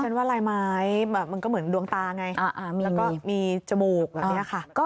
ว่าลายไม้มันก็เหมือนดวงตาไงแล้วก็มีจมูกแบบนี้ค่ะ